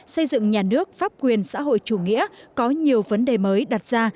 xây dựng nhà nước pháp quyền xã hội chủ nghĩa có nhiều vấn đề mới đặt ra